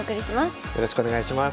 よろしくお願いします。